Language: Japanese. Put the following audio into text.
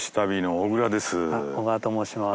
小川と申します。